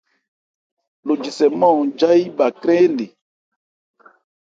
Wo jisɛmán-hɔn jâyí bha krɛn yé nne.